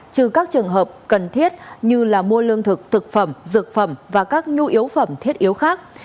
trừ các trường hợp cần thiết như mua lương thực thực phẩm dược phẩm và các nhu yếu phẩm thiết yếu khác